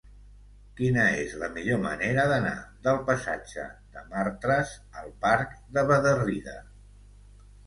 Quina és la millor manera d'anar del passatge de Martras al parc de Bederrida?